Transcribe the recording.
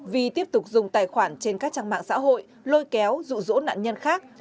vi tiếp tục dùng tài khoản trên các trang mạng xã hội lôi kéo rụ rỗ nạn nhân khác